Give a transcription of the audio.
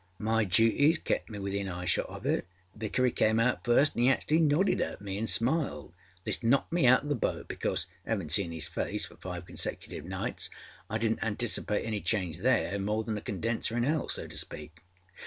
My duties kepâ me within eyeshot of it. Vickery came out first, anâ âe actually nodded at me anâ smiled. This knocked me out oâ the boat, because, havinâ seen âis face for five consecutive nights, I didnât anticipate any change there more than a condenser in hell, so to speak.